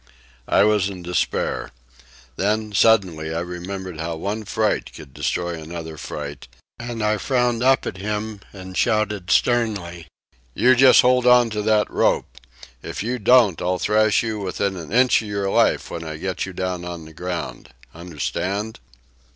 I was in despair. Then, suddenly, I remembered how one fright could destroy another fright, and I frowned up at him and shouted sternly: "You just hold on to that rope! If you don't I'll thrash you within an inch of your life when I get you down on the ground! Understand?"